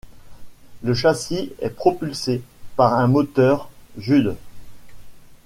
Le châssis est propulsé par un moteur Judd.